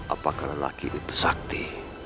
apakah lelaki itu sakti